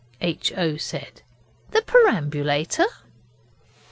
H. O. said; 'the perambulator?